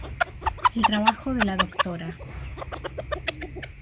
El trabajo de la Dra.